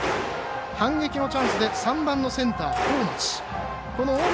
反撃のチャンスで３番のセンター大町。